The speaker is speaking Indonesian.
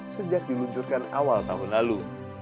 sejak diluncurkan awal tahun lalu